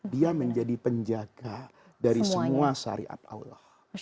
dia menjadi penjaga dari semua syariat allah